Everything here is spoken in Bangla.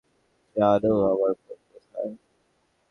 জানো আমার বোন কোথায়?